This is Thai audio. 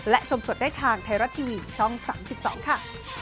และชมสดได้ทางไทรัตทีวีช่องสามสิบสองค่ะ